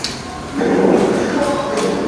Viti havijatosha